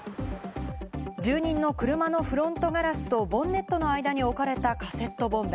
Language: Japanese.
住人の車のフロントガラスとボンネットの間に置かれたカセットボンベ。